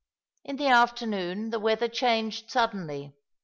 In the afternoon the weather changed suddenly.